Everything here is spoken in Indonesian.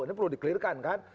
ini perlu di clear kan